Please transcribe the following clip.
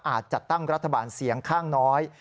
จัดตั้งรัฐบาลเสียงข้างน้อย